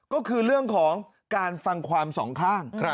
ก็คือเรื่องของการฟังความสองข้าง